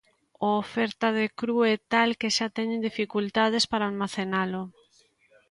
O oferta de cru é tal que xa teñen dificultades para almacenalo.